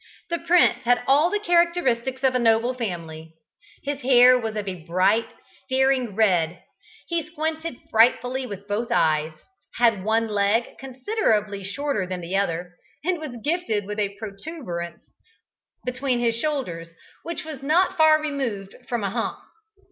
The prince had all the characteristics of his noble family. His hair was of a bright, staring red; he squinted frightfully with both eyes, had one leg considerably shorter than the other, and was gifted with a protuberance between his shoulders which was not far removed from a hump.